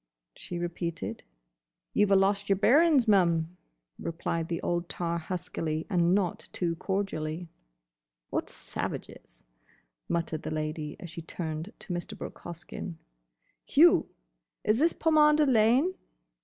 she repeated. "You 've a lost yer bearin's, mum," replied the old tar huskily and not too cordially. "What savages!" muttered the Lady as she turned to Mr. Brooke Hoskyn. "You! Is this Pomander Lane?"